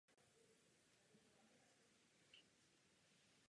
Byl též starostou místního Sokola.